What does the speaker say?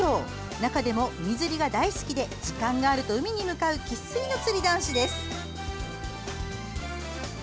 中でも海釣りが大好きで時間があると海に向かう生っ粋の釣り男子です。